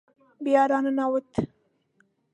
بیا را ننوت.